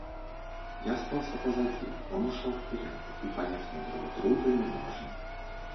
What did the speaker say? Я остался позади, он ушел вперед, и понять мы друг друга не можем.